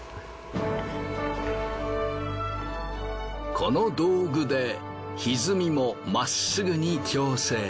この道具で歪みもまっすぐに調整。